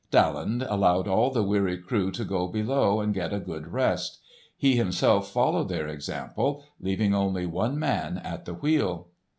Daland allowed all the weary crew to go below and get a good rest. He himself followed their example, leaving only one man at the wheel.